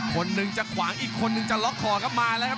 คนหนึ่งจะขวางอีกคนนึงจะล็อกคอครับมาแล้วครับ